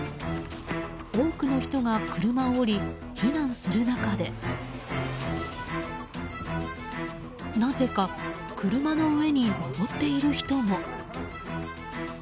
多くの人が車を降り避難する中でなぜか車の上に上っている人も。